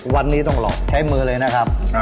วันนี้ต้องหลอกใช้มือเลยนะครับ